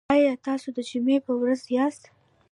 ایا تاسو د جمعې په ورځ یاست؟